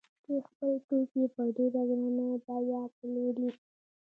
دوی خپل توکي په ډېره ګرانه بیه پلوري